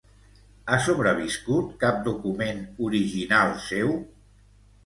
Ha sobreviscut cap document original seu?